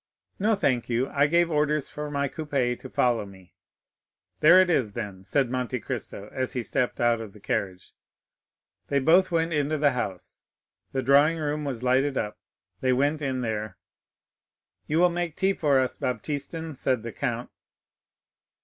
"No, thank you; I gave orders for my coupé to follow me." "There it is, then," said Monte Cristo, as he stepped out of the carriage. They both went into the house; the drawing room was lighted up—they went in there. "You will make tea for us, Baptistin," said the count.